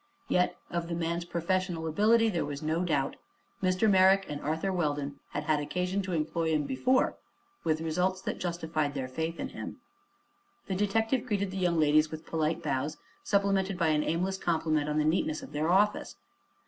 Yet of the man's professional ability there was no doubt; Mr. Merrick and Arthur Weldon had had occasion to employ him before, with results that justified their faith in him. The detective greeted the young ladies with polite bows, supplemented by an aimless compliment on the neatness of their office.